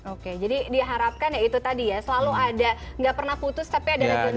oke jadi diharapkan ya itu tadi ya selalu ada nggak pernah putus tapi ada racunnya